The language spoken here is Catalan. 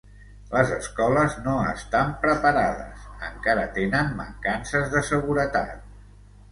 Les escoles no estan preparades, encara tenen mancances de seguretat.